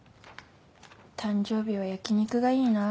誕生日は焼き肉がいいな。